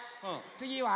つぎは？